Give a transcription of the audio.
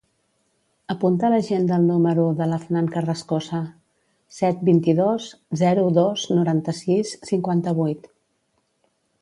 Apunta a l'agenda el número de l'Afnan Carrascosa: set, vint-i-dos, zero, dos, noranta-sis, cinquanta-vuit.